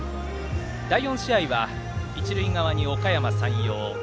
第４試合は一塁側におかやま山陽。